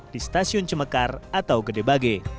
di stasiun cemekar atau gedebage